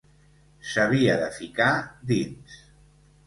S'havia de ficar dins.